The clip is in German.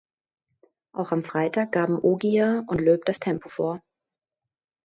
Auch am Freitag gaben Ogier und Loeb das Tempo vor.